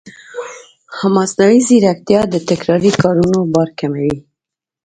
مصنوعي ځیرکتیا د تکراري کارونو بار کموي.